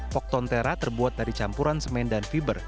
poktontera terbuat dari campuran semen dan fiber